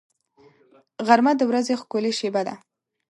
غرمه د ورځې ښکلې شېبه ده